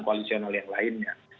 koalisional yang lainnya